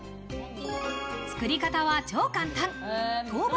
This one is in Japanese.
作り方は超簡単。